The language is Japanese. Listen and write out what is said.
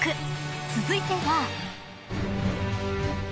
［続いては］